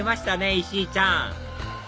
石井ちゃん